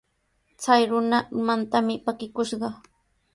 Chay runa umantami pakikushqa.